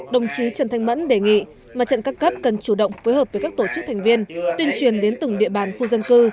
đồng chí trần thanh mẫn đề nghị mặt trận các cấp cần chủ động phối hợp với các tổ chức thành viên tuyên truyền đến từng địa bàn khu dân cư